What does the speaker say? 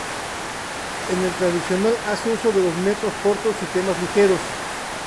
En el tradicional hace uso de los metros cortos y temas ligeros.